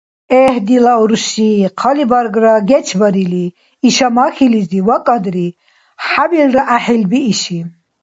Эгь, дила урши, хъалибаргра гечбарили, иша, махьилизи, вакӏадри, хӏябилра гӏяхӏил бииши...